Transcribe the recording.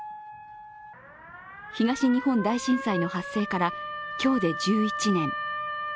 東日本大震災の発生から今日で１１年。